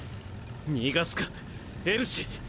逃がすかエルシー！